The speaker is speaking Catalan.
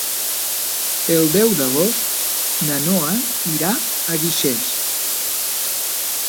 El deu d'agost na Noa irà a Guixers.